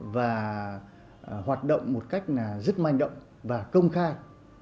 và hoạt động một cách rất manh động và công khai